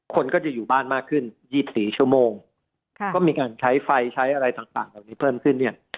คนก็จะอยู่บ้านมากขึ้น๒๔ชั่วโมงก็มีการใช้ไฟใช้อะไรต่างเหล่านี้เพิ่มขึ้นเนี่ย